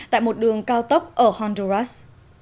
tại một đường cao tốc ở honduras